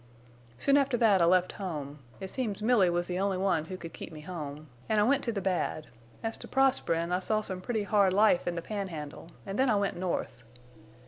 "Soon after that I left home—it seems Milly was the only one who could keep me home—an' I went to the bad, as to prosperin' I saw some pretty hard life in the Pan Handle, an' then I went North.